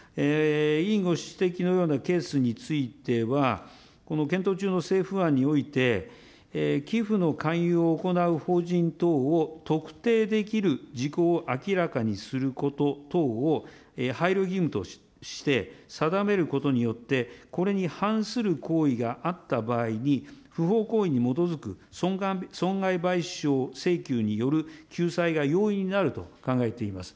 委員ご指摘のようなケースについては、検討中の政府案において、寄付の勧誘を行う法人等を特定できる事項を明らかにすること等を配慮義務として定めることによって、これに反する行為があった場合に、不法行為に基づく損害賠償請求による救済が容易になると考えています。